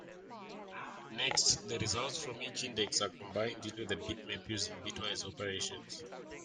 Next, the results from each index are combined into the bitmap using bitwise operations.